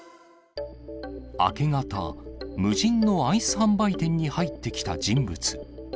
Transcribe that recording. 明け方、無人のアイス販売店に入ってきた人物。